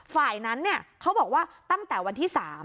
ฝ่ายนั้นเขาบอกว่าตั้งแต่วันที่๓